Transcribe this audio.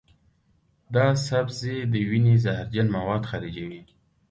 دا سبزی د وینې زهرجن مواد خارجوي.